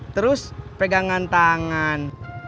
terus pegangan tangan